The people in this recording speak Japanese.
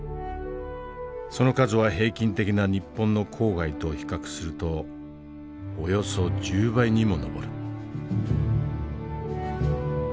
その数は平均的な日本の郊外と比較するとおよそ１０倍にも上る。